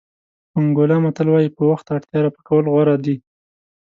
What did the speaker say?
انګولا متل وایي په وخت اړتیا رفع کول غوره دي.